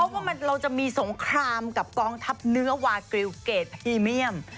ว่าเราจะมีสงครามกับกองทัพเนื้อวากริวเกรดพรีเมียม